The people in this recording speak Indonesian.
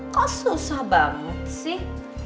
kok susah banget sih